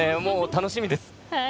楽しみです。